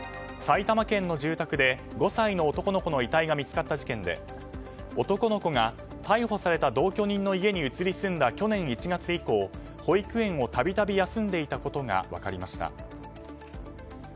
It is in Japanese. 埼玉県の住宅で５歳の男の子の遺体が見つかった事件で男の子が逮捕された同居人の家に移り住んだ去年１月以降、保育園を度々休んでいたことが分かりました。